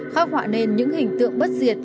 khác họa nên những hình tượng bất diệt